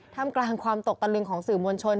ทำกลางความตกตะลึงของสื่อมวลชน